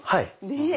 ねえ。